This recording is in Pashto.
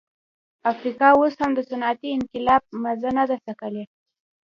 افریقا اوس هم د صنعتي انقلاب مزه نه ده څکلې.